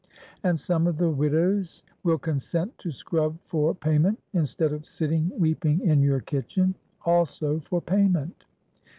And some of the widows will consent to scrub for payment, instead of sitting weeping in your kitchen—also for payment.